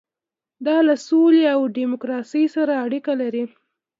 دا له سولې او ډیموکراسۍ سره اړیکه لري.